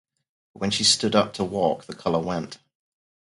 But when she stood up to walk, the colour went.